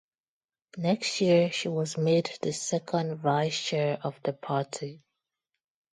Next year she was made the second vice chair of the party.